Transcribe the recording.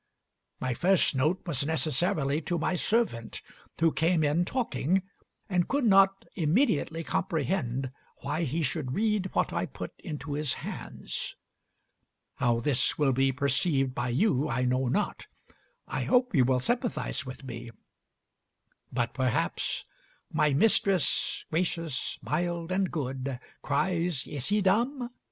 My first note was necessarily to my servant, who came in talking, and could not immediately comprehend why he should read what I put into his hands.... How this will be received by you I know not. I hope you will sympathize with me; but perhaps "'My mistress, gracious, mild, and good, Cries Is he dumb?